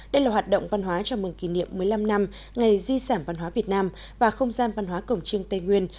đây là hoạt động văn hóa chào mừng kỷ niệm một mươi năm năm ngày di sản văn hóa việt nam và không gian văn hóa cổng trương tây nguyên